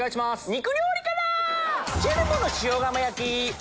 肉料理から！